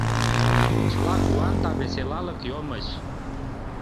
Чыла куан да веселалык йомыч.